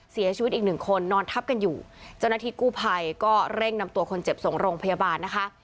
เสียชีวิตอีกหนึ่งคนนอนทับกันอยู่เจ้าหน้าที่กู้ภัยก็เร่งนำตัวคนเจ็บส่งโรงพยาบาลนะคะ